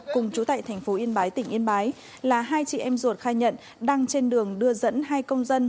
cùng chú tại thành phố yên bái tỉnh yên bái là hai chị em ruột khai nhận đang trên đường đưa dẫn hai công dân